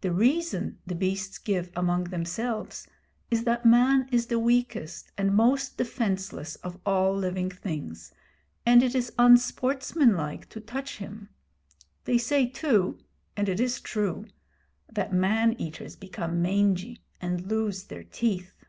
The reason the beasts give among themselves is that Man is the weakest and most defenceless of all living things, and it is unsportsmanlike to touch him. They say too and it is true that man eaters become mangy, and lose their teeth.